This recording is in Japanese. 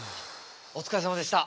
お疲れさまでした。